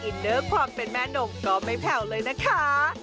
อินเนอร์ความเป็นแม่นมก็ไม่แผ่วเลยนะคะ